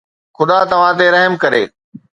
خدا توهان تي رحم ڪري.